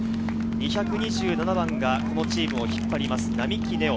２２７番がこのチームを引っ張ります並木寧音。